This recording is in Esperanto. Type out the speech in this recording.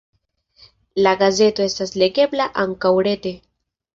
La gazeto estas legebla ankaŭ rete.